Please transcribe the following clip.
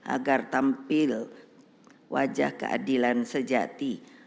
agar tampil wajah keadilan sejati